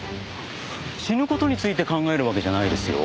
死ぬ事について考えるわけじゃないですよ。